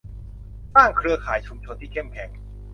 สร้างเครือข่ายชุมชนที่เข้มแข็ง